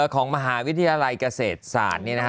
ของมหาวิทยาลัยเกษตรศาสตร์เนี่ยนะคะ